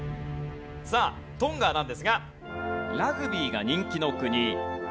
さあトンガなんですがラグビーが人気の国。